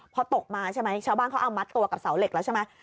พอตกมาใช่ไหมชาวบ้านเขาเอามัดตัวกับเสาเหล็กแล้วใช่ไหม